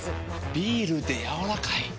ビールでやわらかい。